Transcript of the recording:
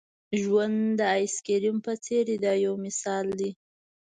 ژوند د آیس کریم په څېر دی دا یو مثال دی.